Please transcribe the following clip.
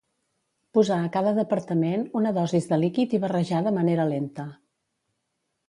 Posar a cada departament una dosis de líquid i barrejar de manera lenta.